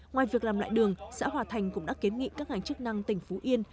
ngoài việc làm lại đường xã hòa thành cũng đã kiến nghị các ngành chức năng tỉnh phú yên